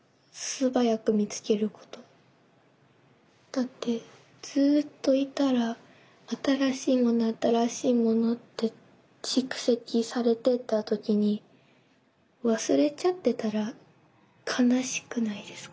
だってずっといたら新しいもの新しいものって蓄積されていった時に忘れちゃってたら悲しくないですか。